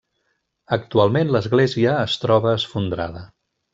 Actualment l'església es troba esfondrada.